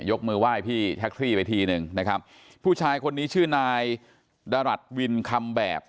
ยกมือไหว้พี่แท็กซี่ไปทีหนึ่งนะครับผู้ชายคนนี้ชื่อนายดรัฐวินคำแบบ